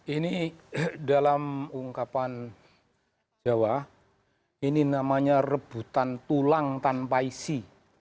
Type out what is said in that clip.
ini dalam ungkapan jawa ini namanya rebutan tulang tanpa isi